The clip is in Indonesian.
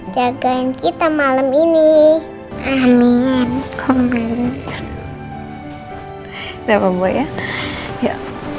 jagain kita malam ini amin amin udah mbak ya ya